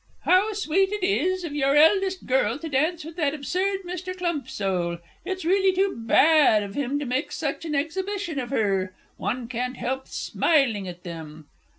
How sweet it is of your eldest girl to dance with that absurd Mr. Clumpsole! It's really too bad of him to make such an exhibition of her one can't help smiling at them!